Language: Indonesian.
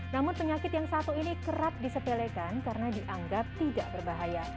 namun penyakit yang satu ini kerap disepelekan karena dianggap tidak berbahaya